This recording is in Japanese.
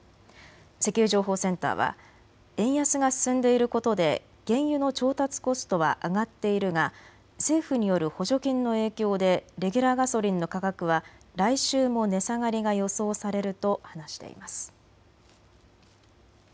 石油情報センターは円安が進んでいることで原油の調達コストは上がっているが政府による補助金の影響でレギュラーガソリンの価格は来週も値下がりが予想されると話しています。